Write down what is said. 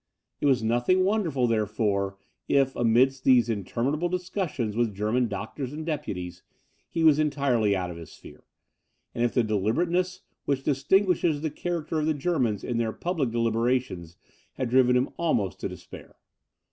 It was nothing wonderful, therefore, if, amidst these interminable discussions with German doctors and deputies, he was entirely out of his sphere, and if the deliberateness which distinguishes the character of the Germans in their public deliberations, had driven him almost to despair.